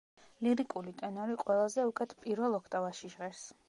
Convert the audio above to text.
ლირიკული ტენორი ყველაზე უკეთ პირველ ოქტავაში ჟღერს.